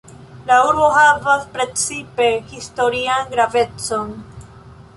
La urbo havas precipe historian gravecon.